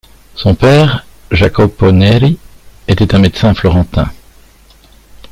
Son père, Jacopo Neri, était un médecin florentin.